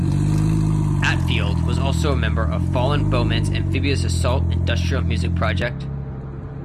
Atfield was also a member of Fallon Bowman's Amphibious Assault industrial music project.